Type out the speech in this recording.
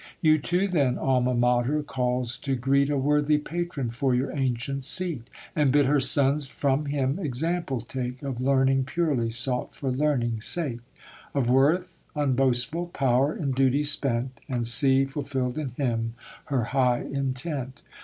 You too, then, Alma Mater calls to greet A worthy patron for your ancient seat; And bid her sons from him example take, Of learning purely sought for learning's sake, Of worth unboastful, power in duty spent; And see, fulfilled in him, her high intent.